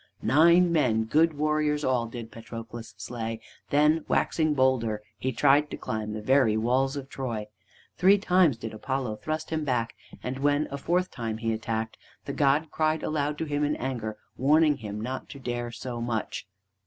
Nine men, good warriors all, did Patroclus slay; then, waxing bolder, he tried to climb the very walls of Troy. Three times did Apollo thrust him back, and when, a fourth time, he attacked, the god cried aloud to him in anger, warning him not to dare so much.